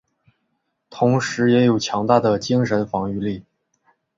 同时也有强大的精神防御力。